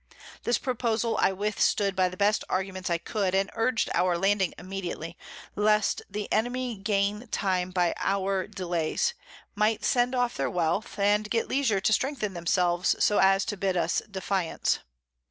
This Proposal I withstood by the best Arguments I could, and urged our landing immediately, least the Enemy gaining Time by our Delays, might send off their Wealth, and get leisure to strengthen themselves, so as to bid us defiance.